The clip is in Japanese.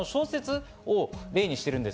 小説を例にしているものです。